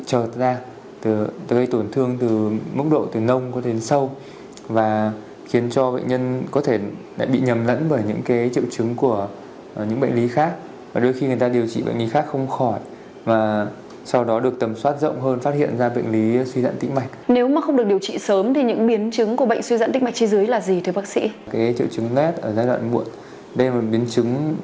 cái triệu chứng nét ở giai đoạn muộn đây là một biến chứng khá là nặng này của suy tĩnh mạch mạng tính